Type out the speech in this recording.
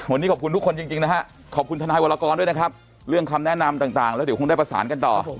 วันนี้ขอบคุณทุกคนจริงนะฮะขอบคุณทนายวรกรด้วยนะครับเรื่องคำแนะนำต่างแล้วเดี๋ยวคงได้ประสานกันต่อ